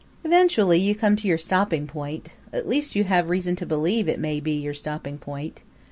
Eventually you come to your stopping point; at least you have reason to believe it may be your stopping point.